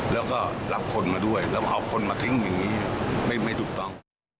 แล้วก็รับคนมาด้วยแล้วเอาคนมาทิ้งอย่างนี้ไม่ถูกต้อง